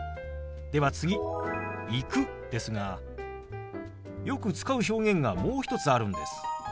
では次「行く」ですがよく使う表現がもう一つあるんです。